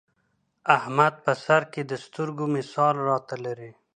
احمد په سرکې د سترګو مثال را ته لري.